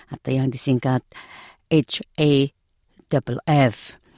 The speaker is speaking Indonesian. atau yang disingkat hawf